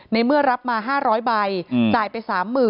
เมื่อรับมา๕๐๐ใบจ่ายไป๓๐๐๐